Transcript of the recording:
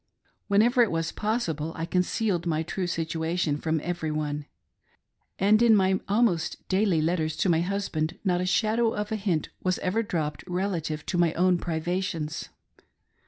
Whenever it was possible I concealed my true situation from every one, and in my almost daily letters to my husband not a shadow of a hint was ever dropped relative to my own t)riVatioris.